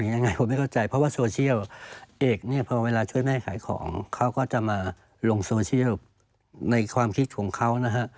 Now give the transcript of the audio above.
ยังไงผมไม่เข้าใจเพราะว่าโซเชียลเอกเนี่ยพอเวลาช่วยแม่ขายของเขาก็จะมาลงโซเชียลในความคิดของเขานะฮะ